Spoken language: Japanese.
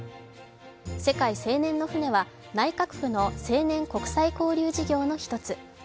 世界青年の船は、内閣府の青年国際交流事業の一つ。